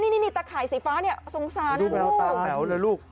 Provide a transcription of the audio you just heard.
นี่นี่นี่ตะข่ายสีฟ้าเนี่ยสงสารนะลูก